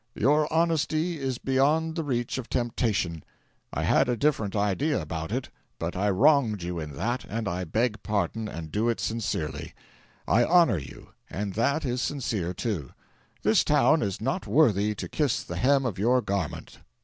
Your honesty is beyond the reach of temptation. I had a different idea about it, but I wronged you in that, and I beg pardon, and do it sincerely. I honour you and that is sincere too. This town is not worthy to kiss the hem of your garment.